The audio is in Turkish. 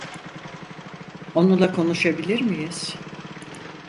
Onunla konuşabilir miyiz?